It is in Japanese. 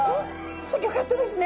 すギョかったですね。